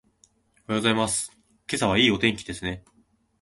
おはようございます。今朝はいいお天気ですね。